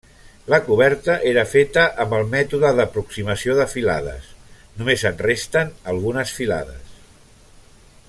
La coberta era feta amb el mètode d'aproximació de filades, només en resten algunes filades.